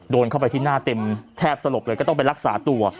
โดนเข้าไปที่หน้าเต็มแทบสลบเลยก็ต้องไปรักษาตัว